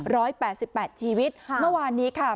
แปดสิบแปดชีวิตค่ะเมื่อวานนี้ค่ะ